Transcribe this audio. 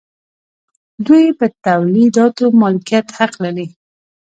دوی پر تولیداتو مالکیت حق لري.